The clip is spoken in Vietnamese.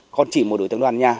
còn chỉ một đối tượng đoàn nhà